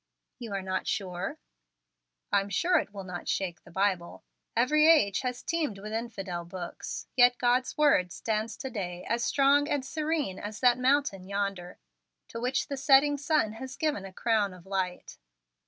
"You are not sure." "I'm sure it will not shake the Bible. Every age has teemed with infidel books. Yet God's Word stands to day as strong and serene as that mountain yonder, to which the setting sun has given a crown of light."